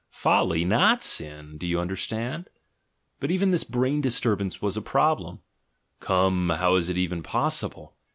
— Folly, not sin, do you understand? ... But even this brain disturbance was a problem — "Come, how is it even possible?